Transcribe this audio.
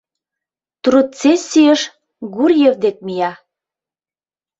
Трудсессийыш Гурьев дек мия.